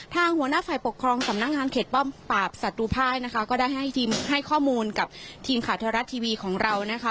หัวหน้าฝ่ายปกครองสำนักงานเขตป้อมปราบศัตรูภายนะคะก็ได้ให้ทีมให้ข้อมูลกับทีมข่าวเทวรัฐทีวีของเรานะคะ